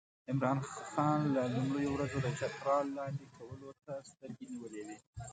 عمرا خان له لومړیو ورځو د چترال لاندې کولو ته سترګې نیولې وې.